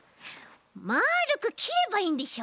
まるくきればいいんでしょ？